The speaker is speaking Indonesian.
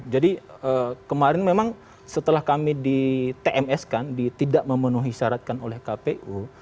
jadi kemarin memang setelah kami di tms kan di tidak memenuhi syaratkan oleh kpu